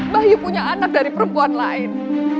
bahyu punya anak dari perempuan lain